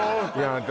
私